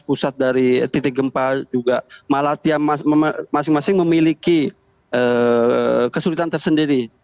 pusat dari titik gempa juga malah masing masing memiliki kesulitan tersendiri